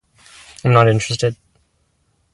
I'm not interested.